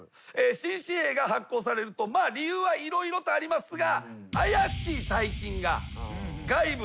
新紙幣が発行されると理由は色々とありますが。